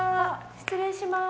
失礼します。